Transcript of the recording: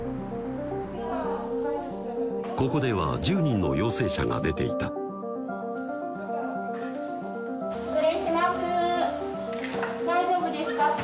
ここでは１０人の陽性者が出ていた失礼します大丈夫ですか？